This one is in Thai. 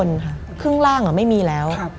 มันกลายเป็นรูปของคนที่กำลังขโมยคิ้วแล้วก็ร้องไห้อยู่